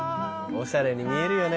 おしゃれに見えるよね